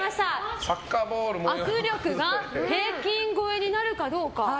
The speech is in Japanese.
握力が平均超えになるかどうか。